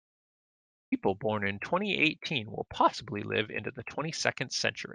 People born in twenty-eighteen will possibly live into the twenty-second century.